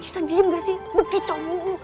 ih san jujur gak sih bekicau mulu